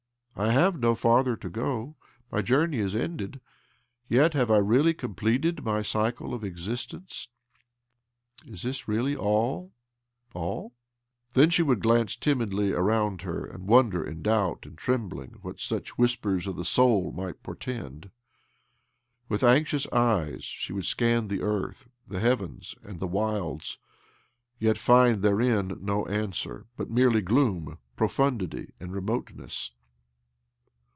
I have no farther to go— my journey is ended. Yet have I really completed my cycle of exist ence ? Is this really all — all ?" Then she would glance timidly around her, and wonder, in doubt and trembling, what such whispers of the soul might portend. With anxious eyes she would scan the earth, the heavens, and the wilds, yet find therein no answer, but merely gloom', profundity, and remote ness.